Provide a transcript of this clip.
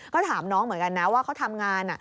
ก็ถามน้องเหมือนกันนะว่าเขาทำงาน